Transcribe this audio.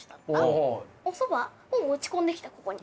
おそばを持ち込んできたここに。